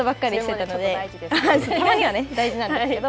たまには大事なんですけど。